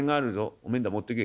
「おめえんだ持ってけ」。